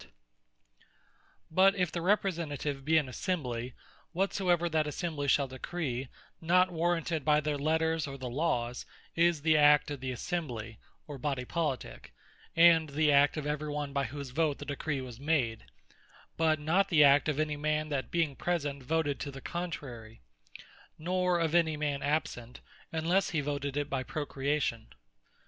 When It Is An Assembly, It Is The Act Of Them That Assented Onely But if the Representative be an Assembly, whatsoever that Assembly shall Decree, not warranted by their Letters, or the Lawes, is the act of the Assembly, or Body Politique, and the act of every one by whose Vote the Decree was made; but not the act of any man that being present Voted to the contrary; nor of any man absent, unlesse he Voted it by procuration.